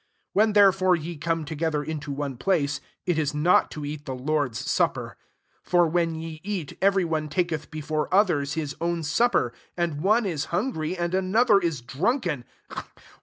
90 When therefore ye come together into one place, it is not to eat the Lord's supper. SI For when ye eat, every one taketh before othera his own supper: and one is hungry, and another is drunken.